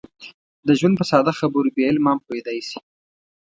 د ژوند په ساده خبرو بې علمه هم پوهېدلی شي.